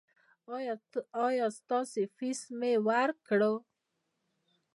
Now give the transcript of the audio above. ایا ستاسو فیس مې ورکړ؟